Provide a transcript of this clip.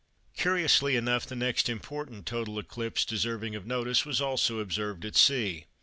Curiously enough the next important total eclipse deserving of notice was also observed at sea.